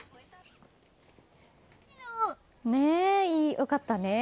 良かったね。